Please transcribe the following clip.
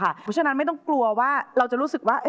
เพราะฉะนั้นไม่ต้องกลัวว่าเราจะรู้สึกว่า